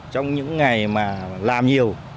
trong những ngày mà làm nhiều